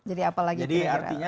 jadi apalagi pasalnya